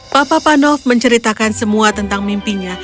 papa panov menceritakan semua tentang mimpinya